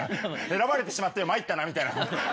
選ばれてしまって参ったなみたいな。